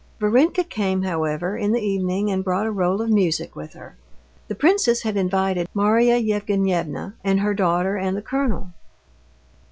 Varenka came, however, in the evening and brought a roll of music with her. The princess had invited Marya Yevgenyevna and her daughter and the colonel.